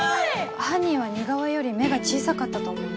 犯人は似顔絵より目が小さかったと思うんです。